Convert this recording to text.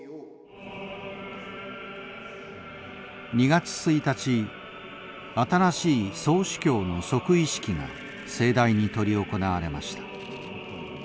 ２月１日新しい総主教の即位式が盛大に執り行われました。